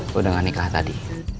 ke undang undang nikah tadi